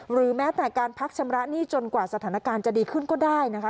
หรือแม้แต่การพักชำระหนี้จนกว่าสถานการณ์จะดีขึ้นก็ได้นะคะ